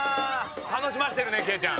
楽しませてるねケイちゃん。